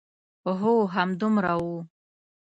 هو، همدومره و.